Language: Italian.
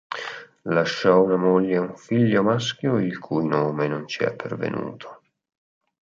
Lasciò una moglie e un figlio maschio il cui nome non ci è pervenuto.